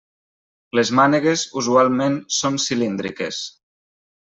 Les mànegues usualment són cilíndriques.